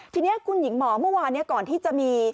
ทีนี้คุณหญิงหมอเมื่อวานนี้ก่อนที่จะมี